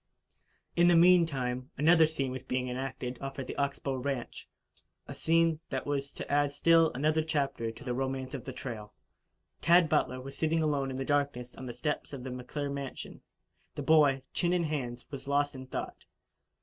In the meantime, another scene was being enacted off at the Ox Bow ranch a scene that was to add still another chapter to the romance of the trail. Tad Butler was sitting alone in the darkness on the steps of the McClure mansion. The boy, chin in hands, was lost in thought.